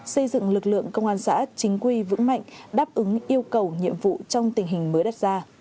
xây dựng lực lượng công an xã chính quy vững mạnh đáp ứng yêu cầu nhiệm vụ trong tình hình mới đặt ra